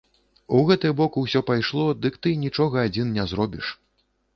У гэты бок усё пайшло, дык ты нічога адзін не зробіш.